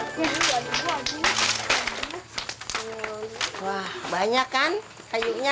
wah banyak kan kayunya